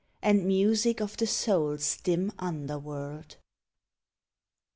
And music of the soul's dim under world.